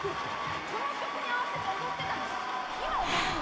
この曲に合わせて踊ってたの？